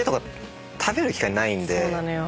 そうなのよ。